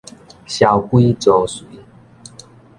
蕭規曹隨